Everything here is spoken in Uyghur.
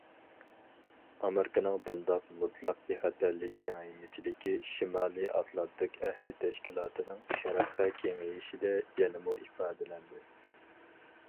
ئامېرىكىنىڭ بۇنداق« مۇتلەق بىخەتەرلىك» كېڭەيمىچىلىكى شىمالىي ئاتلانتىك ئەھدى تەشكىلاتىنىڭ شەرققە كېڭىيىشىدە يەنىمۇ ئىپادىلەندى.